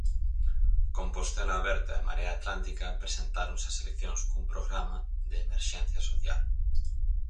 Compostela Aberta e Marea Atlántica presentáronse ás eleccións cun programa de "emerxencia social".